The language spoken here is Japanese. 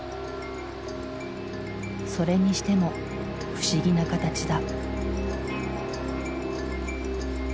それにしても不思議な形だ。